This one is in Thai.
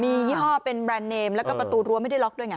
มียี่ห้อเป็นแบรนด์เนมแล้วก็ประตูรั้วไม่ได้ล็อกด้วยไง